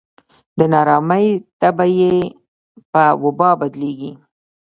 د نا ارامۍ تبه یې په وبا بدلېږي.